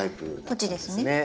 こっちですね。